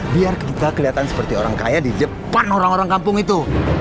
biar kita kelihatan seperti orang kaya di depan orang orang kampung itu